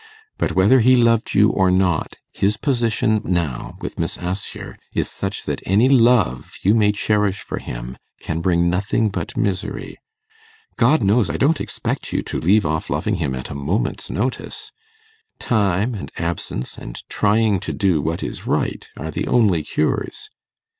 But whether he loved you or not, his position now with Miss Assher is such that any love you may cherish for him can bring nothing but misery. God knows, I don't expect you to leave off loving him at a moment's notice. Time and absence, and trying to do what is right, are the only cures.